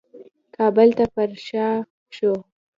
کابل ته پرشا شو.